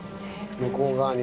向こう側に。